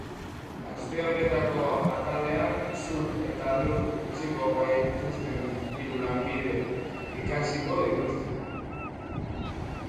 Aste honetako atalean, zur eta lur utziko gaituzten hiru lanbide ikasiko dituzte.